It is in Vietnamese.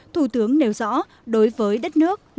thủ tướng nêu rõ đối với đất nước